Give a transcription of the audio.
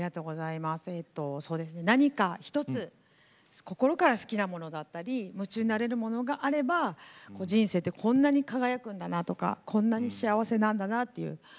何か１つ心から好きになるものだったり夢中になるものがあれば人生ってこんなに輝くんだなとかこんなに幸せなんだな